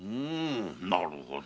なるほど。